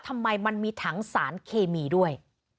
ทำไมมันมีถังสารเคมีด้วย